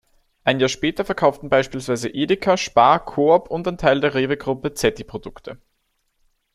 Ein Jahr später verkauften beispielsweise Edeka, Spar, Coop und ein Großteil der Rewe-Gruppe Zetti-Produkte.